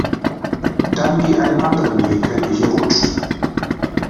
Dann geh einen anderen Weg, wenn du hier rutscht.